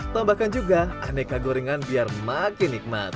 tambahkan juga aneka gorengan biar makin nikmat